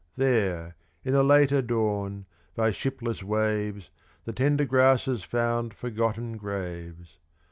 There, in a later dawn, by shipless waves, The tender grasses found forgotten graves.